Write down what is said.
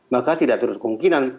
maka tidak terus kemungkinan